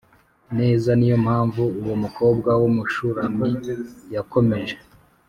Neza ni yo mpamvu uwo mukobwa w umushulami yakomeje